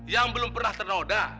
yang belum pernah ternoda